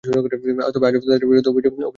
তবে আজও তাঁদের বিরুদ্ধে অভিযোগ গঠন হয়নি।